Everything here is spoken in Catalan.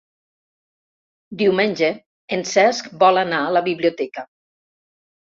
Diumenge en Cesc vol anar a la biblioteca.